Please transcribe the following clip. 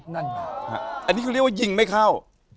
นั่นคือยิงไม่เข้า